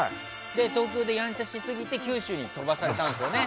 東京で、やんちゃしすぎて九州に飛ばされたんですよね。